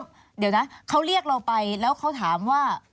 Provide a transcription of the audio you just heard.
เดี๋ยวนะเขาเรียกเราไปแล้วเขาถามว่า